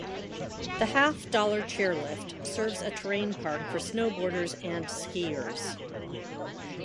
The Half Dollar chairlift serves a terrain park for snowboarders and skiers.